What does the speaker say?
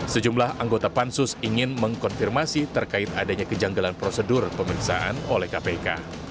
sejumlah anggota pansus ingin mengkonfirmasi terkait adanya kejanggalan prosedur pemeriksaan oleh kpk